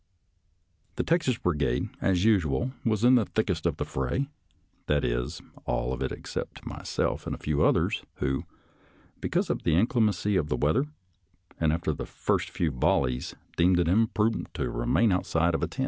The Texas Brigade, as usual, was in the thickest of the fray; that is, all of it except myself and a few others who, because of the inclemency of the weather, and after the first few volleys, deemed it imprudent to remain outside of a tent.